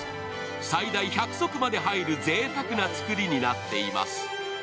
最大１００足まで入るぜいたくなつくりになっています。